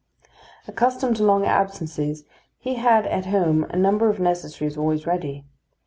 Accustomed to long absences, he had at home a number of necessaries always ready.